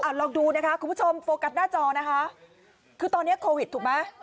ลองดูนะคะคุณผู้ชมโฟกัสหน้าจอนะคะคือตอนเนี้ยโควิดถูกไหม